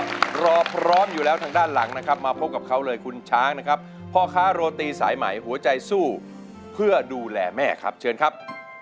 และตอนนี้นะครับนักสู้ชีวิตคนนั้นก็รอพร้อมอยู่แล้วทางด้านหลังนะครับมาพบกับเขาเลยคุณช้างนะครับพ่อคะโรตีสายใหม่หัวใจสู้เพื่อดูแหล่แม่ครับเชิญครับ